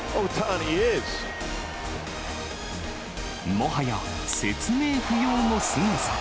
もはや、説明不要のすごさ。